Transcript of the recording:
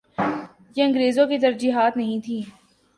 یہ انگریزوں کی ترجیحات نہیں تھیں۔